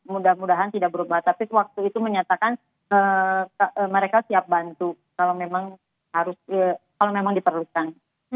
mudah mudahan tidak berubah tapi waktu itu menyatakan mereka siap bantu kalau memang harus kalau memang diperlukan